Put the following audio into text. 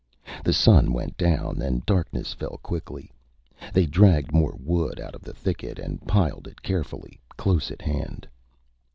The sun went down and darkness fell quickly. They dragged more wood out of the thicket and piled it carefully close at hand.